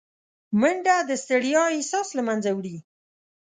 منډه د ستړیا احساس له منځه وړي